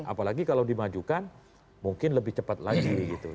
apalagi kalau dimajukan mungkin lebih cepat lagi gitu